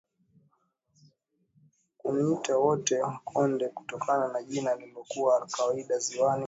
wakawaita wote Wakonde kutokana na jina lililokuwa kawaida ziwani